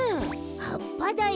はっぱだよ。